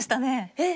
えっ！